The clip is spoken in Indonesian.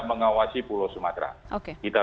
mengawasi pulau sumatera kita